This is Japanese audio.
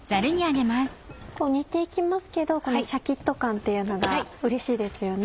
煮て行きますけどこのシャキっと感っていうのがうれしいですよね。